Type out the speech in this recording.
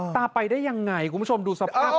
ตาไปได้อย่างไรคุณผู้ชมดูสภาพของตา